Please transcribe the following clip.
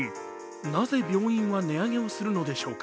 なぜ病院は値上げをするのでしょうか。